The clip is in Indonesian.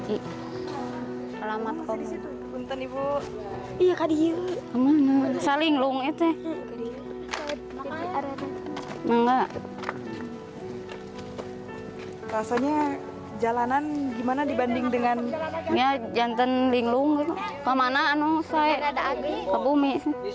ini jantan linglung kemana saya ke bumi